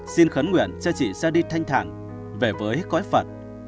xin khấn nguyện cho chị ra đi thanh thẳng về với cõi phật